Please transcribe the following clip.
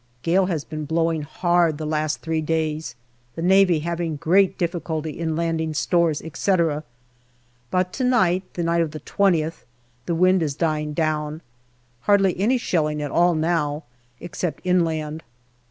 Gale has been blowing hard the last three days, the Navy having great difficulty in landing stores, etc. ; but to night the night of the 2Oth the wind is dying down. Hardly any shelling at all now, except nland.